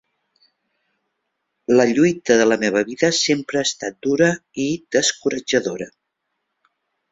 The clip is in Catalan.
La lluita de la meva vida sempre ha estat dura i descoratjadora.